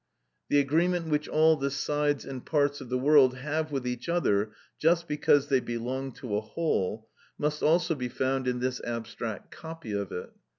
The agreement which all the sides and parts of the world have with each other, just because they belong to a whole, must also be found in this abstract copy of it.